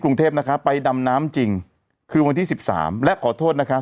กรุงเทพฯนะกับไปดำน้ำจริงวันที่๑๓และขอโทษนะคะ